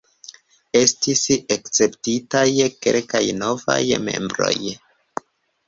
Estis akceptitaj kelkaj novaj membroj.